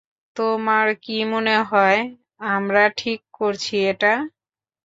তোমার কি মনে হয়, আমরা ঠিক করছি এটা?